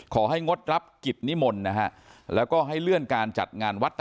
งดรับกิจนิมนต์นะฮะแล้วก็ให้เลื่อนการจัดงานวัดต่อ